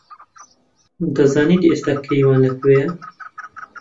دەزانیت ئێستا کەیوان لەکوێیە؟